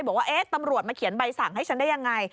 บอกว่าตำรวจมาเขียนใบสั่งให้ฉันได้ยังไง